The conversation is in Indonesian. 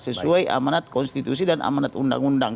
sesuai amanat konstitusi dan amanat undang undang